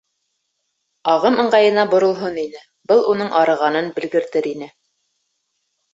Ағым ыңғайына боролһон ине, был уның арығанын белгертер ине.